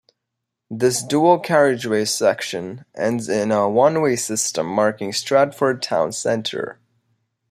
This dual carriageway section ends in a one-way system marking Stratford town centre.